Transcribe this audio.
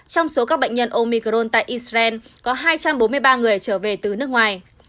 trong số các bệnh nhân omicron tại israel có hai trăm bốn mươi ba người trở về từ nước ngoài